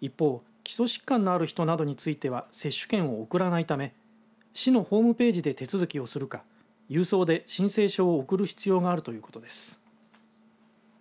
一方、基礎疾患のある人などについては接種券を送らないため市のホームページで手続きをするか郵政郵送で申請書を送る必要があるということです。